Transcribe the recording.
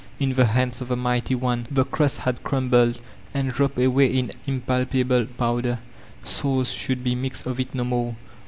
In the hands of the Mighty One the crust had crumbled, and dropped away in impalpable powder. Souls should be mixed of it no more.